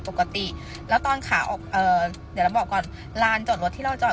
ปกติแล้วตอนขาออกเอ่อเดี๋ยวเราบอกก่อนลานจอดรถที่เราจอด